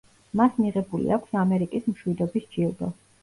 მას მიღებული აქვს ამერიკის მშვიდობის ჯილდო.